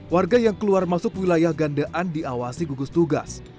warga yang keluar masuk wilayah gandean diawasi gugus tugas